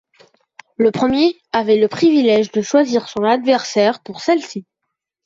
Le premier avait le privilège de choisir son adversaire pour celles-ci.